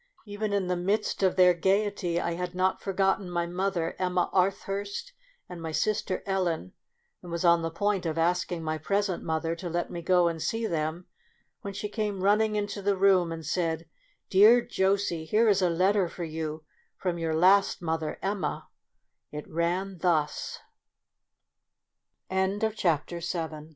Even in the midst of their gaiety I had not forgotten my mother Emma Arthurst, and my sister Ellen, and was on the point of asking my present mother to let me go and see them, when she came running into the room and said, " Dear Josey, here is a letter for you from your last mothe